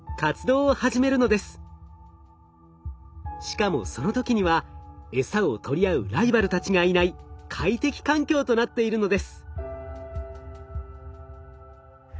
しかもその時にはエサを取り合うライバルたちがいない快適環境となっているのです。